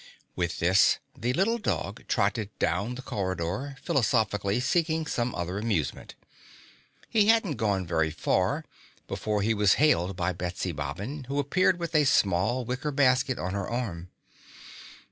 With this, the little dog trotted down the corridor, philosophically seeking some other amusement. He hadn't gone very far before he was hailed by Betsy Bobbin, who appeared with a small wicker basket on her arm.